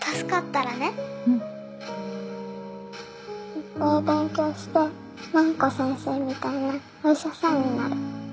いっぱいお勉強して麻弥子先生みたいなお医者さんになる。